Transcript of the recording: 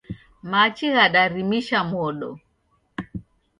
Machi ghadarimisha modo.